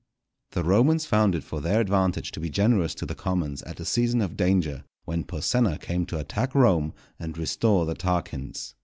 _ The Romans found it for their advantage to be generous to the commons at a season of danger, when Porsenna came to attack Rome and restore the Tarquins.